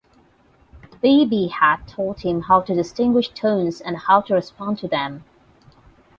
Beebe had taught him how to distinguish tones and how to respond to them.